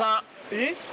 えっ！